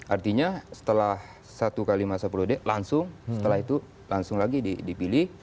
artinya setelah satu kali masa periode langsung setelah itu langsung lagi dipilih